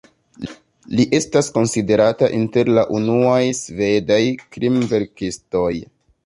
Li estas konsiderata inter la unuaj svedaj krimverkistoj.